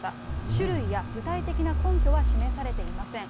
酒類や具体的な根拠は示されていません。